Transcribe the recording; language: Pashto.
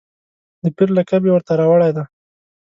د پیر لقب یې ورته راوړی دی.